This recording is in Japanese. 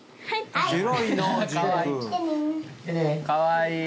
はい！